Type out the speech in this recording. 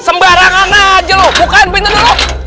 sembarangan aja lo bukain pintu dulu